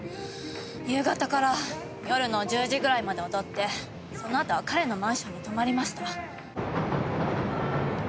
夕方から夜の１０時ぐらいまで踊ってそのあとは彼のマンションに泊まりました。